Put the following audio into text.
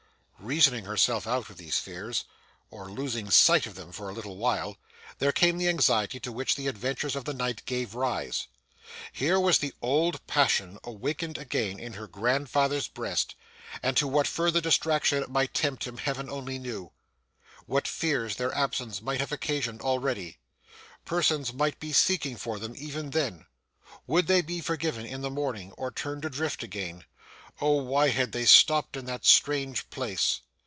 Reasoning herself out of these fears, or losing sight of them for a little while, there came the anxiety to which the adventures of the night gave rise. Here was the old passion awakened again in her grandfather's breast, and to what further distraction it might tempt him Heaven only knew. What fears their absence might have occasioned already! Persons might be seeking for them even then. Would they be forgiven in the morning, or turned adrift again! Oh! why had they stopped in that strange place?